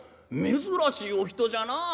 珍しいお人じゃなあ。